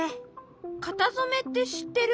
型染めって知ってる？